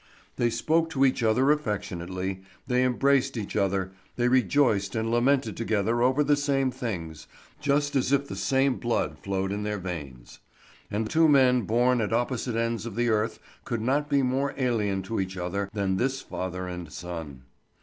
They spoke to each other affectionately, they embraced each other, they rejoiced and lamented together over the same things, just as if the same blood flowed in their veins. And two men born at opposite ends of the earth could not be more alien to each other than this father and son.